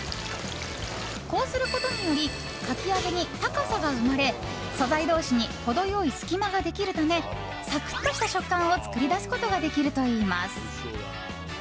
こうすることによりかき揚げに高さが生まれ素材同士に程良い隙間ができるためサクッとした食感を作り出すことができるといいます。